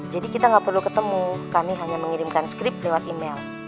jadi kita nggak perlu ketemu kami hanya mengirimkan skrip lewat email